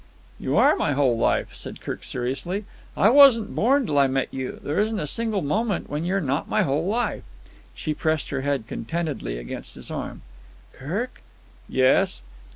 "You are my whole life," said Kirk seriously. "I wasn't born till I met you. There isn't a single moment when you are not my whole life." She pressed her head contentedly against his arm. "Kirk." "Yes?"